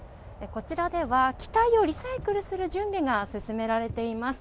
こちらでは機体をリサイクルする準備が進められています。